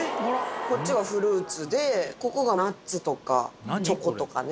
こっちがフルーツで、ここがナッツとかチョコとかね。